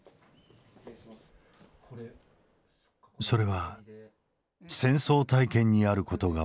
それは戦争体験にあることが分かった。